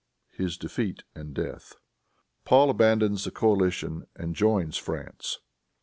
His Defeat and Death. Paul Abandons the Coalition and Joins France.